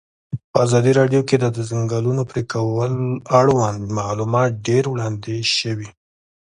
په ازادي راډیو کې د د ځنګلونو پرېکول اړوند معلومات ډېر وړاندې شوي.